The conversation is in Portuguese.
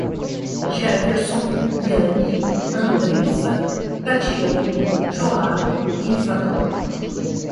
Geferson, Iane, Andressa, Tatiane, Joabe e Isadora